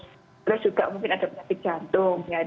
terus juga mungkin ada penyakit jantung ya